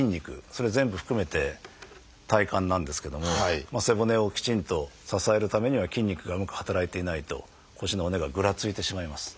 それを全部含めて体幹なんですけども背骨をきちんと支えるためには筋肉がうまく働いていないと腰の骨がぐらついてしまいます。